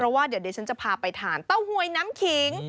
เพราะว่าเดี๋ยวฉันจะพาไปทานเต้าหวยน้ำขิง